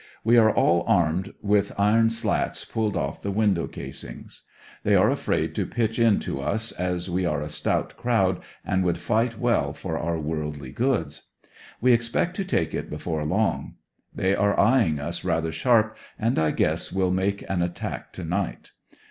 We are all armed with iron slats pulled off the window casuigs. They are afraid to pitch in to us, as we are a stout crowd and would fight well for our worldly goods. We expect to take it before long. They are eye ing us rather sharp, and I guess will make an attack to night.